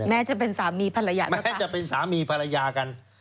จะเป็นสามีภรรยาแม้จะเป็นสามีภรรยากัน